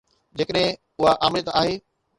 جيڪڏهن اها آمريت آهي.